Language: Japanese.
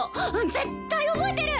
絶対覚えてる！